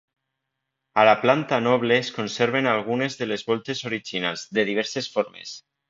A la planta noble es conserven algunes de les voltes originals, de diverses formes.